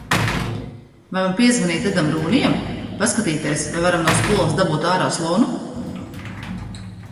Vai man piezvanīt Edam Rūnijam, paskatīties, vai varam no skolas dabūt ārā Slounu?